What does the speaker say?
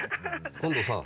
今度さ